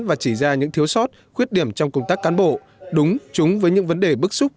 và chỉ ra những thiếu sót khuyết điểm trong công tác cán bộ đúng chúng với những vấn đề bức xúc